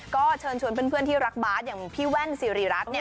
ก็เชิญชวนเพื่อนที่รักบาสอย่างพี่แว่นสิริรัตน์